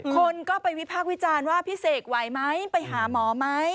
คนก็ไปวิพากษ์วิจารณ์ว่าพี่เสกไหวไหมไปหาหมอไหม